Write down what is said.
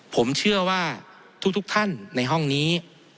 ผมเชื่อว่าทุกท่านในห้องนี้